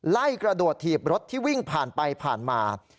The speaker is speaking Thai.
ไล่กระโดดถีบรถที่วิ่งผ่านไปผ่านมา